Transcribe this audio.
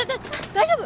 大丈夫！？